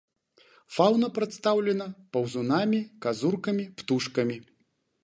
Фаўна прадстаўлена паўзунамі, казуркамі, птушкамі.